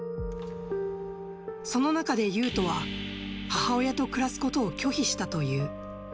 その中でユウトは、母親と暮らすことを拒否したという。